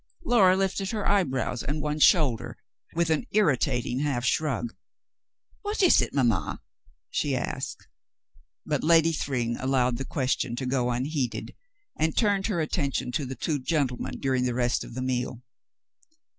Laura lifted her eyebrows and one shoulder with an irri tating half shrug. "What is it, mamma V she asked, but Ladv Thryng allowed the question to go unheeded, and New Conditions 237 turned her attention to the two gentlemen during the rest of the meal.